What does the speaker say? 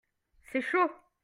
C'est chaud